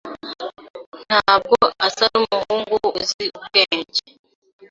Ntabwo asa numuhungu uzi ubwenge.